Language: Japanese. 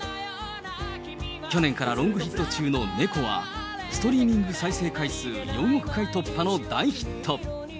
去年からロングヒット中の猫は、ストリーミング再生回数４億回突破の大ヒット。